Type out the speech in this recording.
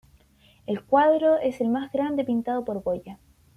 El cuadro es el más grande pintado por Goya.